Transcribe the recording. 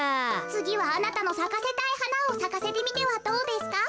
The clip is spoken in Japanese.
つぎはあなたのさかせたいはなをさかせてみてはどうですか？